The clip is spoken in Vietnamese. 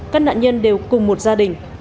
các nạn nhân đều cùng một gia đình